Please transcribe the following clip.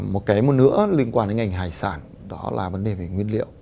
một cái nữa liên quan đến ngành hải sản đó là vấn đề về nguyên liệu